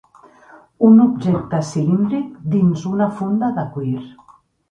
Un objecte cilíndric, dins una funda de cuir